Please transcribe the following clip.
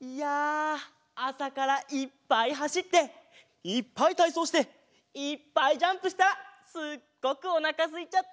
いやあさからいっぱいはしっていっぱいたいそうしていっぱいジャンプしたらすっごくおなかすいちゃって。